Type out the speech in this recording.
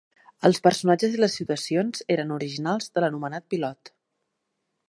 Els personatges i les situacions eren originals de l'anomenat pilot.